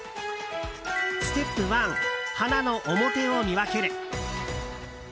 ステップ１、花の表を見分ける。